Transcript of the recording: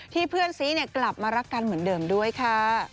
เพื่อนซี้กลับมารักกันเหมือนเดิมด้วยค่ะ